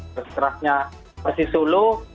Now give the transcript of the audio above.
garis kerasnya persis solo